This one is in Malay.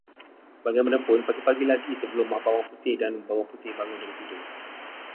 Bagaimanapun pagi-pagi lagi sebelum Mak Bawang Putih dan Bawang Putih bangun dari tidur